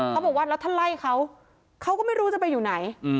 เขาบอกว่าแล้วถ้าไล่เขาเขาก็ไม่รู้จะไปอยู่ไหน